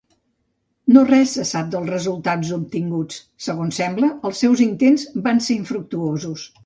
No res se sap dels resultats obtinguts; segons sembla, els seus intents van ser infructuosos.